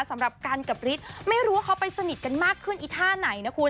สำหรับกันกับฤทธิ์ไม่รู้ว่าเขาไปสนิทกันมากขึ้นอีท่าไหนนะคุณ